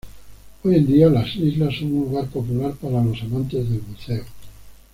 Hoy en día las islas son un lugar popular para los amantes del buceo.